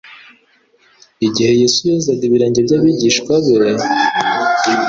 Igihe Yesu yozaga ibirenge by'abigishwa be,